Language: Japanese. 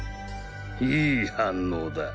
いい反応だ。